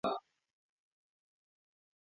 Ng'ato nokwalo yien mane obaro